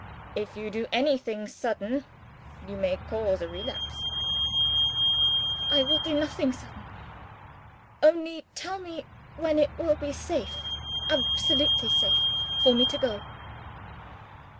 If you do anything sudden you may cause a relapse." "I will do nothing sudden. Only tell me, when it will be safe absolutely safe for me to go?"